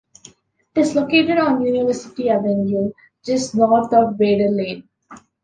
It is located on University Avenue, just north of Bader Lane.